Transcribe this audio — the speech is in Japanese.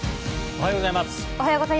おはようございます。